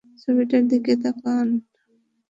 ছবিটার দিকে তাকান।